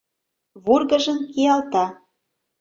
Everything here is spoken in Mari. Вургыжын киялта.